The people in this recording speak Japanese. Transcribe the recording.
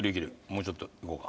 もうちょっといこうか。